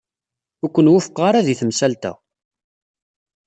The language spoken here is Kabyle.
Ur ken-wufqeɣ ara di temsalt-a.